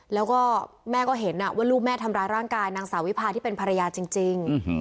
แล้วก็แม่ก็เห็นว่าลูกแม่ทำร้ายร่างกายนางสาววิพาที่เป็นภรรยาจริง